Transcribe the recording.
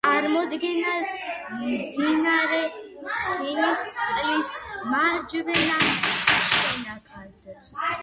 წარმოადგენს მდინარე ცხენისწყლის მარჯვენა შენაკადს.